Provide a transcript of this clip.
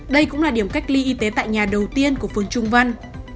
đây cũng là điểm cách ly y tế tại nhà đầu tiên của phường trung văn